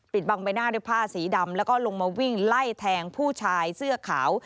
บางใบหน้าด้วยผ้าสีดำแล้วก็ลงมาวิ่งไล่แทงผู้ชายเสื้อขาว